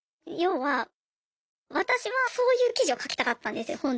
要は私はそういう記事を書きたかったんですよ